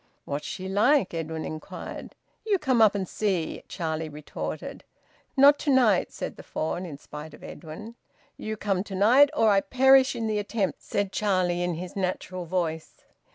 "What's she like?" Edwin inquired. "You come up and see," Charlie retorted. "Not to night," said the fawn, in spite of Edwin. "You come to night, or I perish in the attempt," said Charlie, in his natural voice.